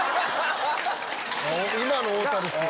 今の太田ですよ。